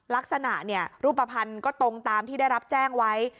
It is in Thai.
ลักษณะรูปภัณฑ์ก็ตรงตามที่ได้รับแจ้งไว้